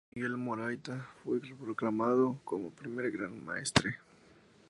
Miguel Morayta fue proclamado como primer Gran Maestre.